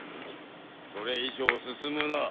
それ以上進むな。